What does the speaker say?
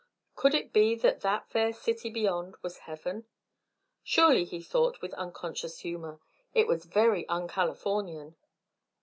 Could it be that that fair city beyond was heaven? Surely, he thought with unconscious humour, it was very un Californian.